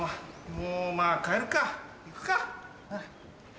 もう帰るか行くか。